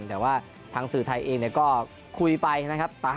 แต่ว่าทางสื่อไทยเองก็คุยไปนะครับ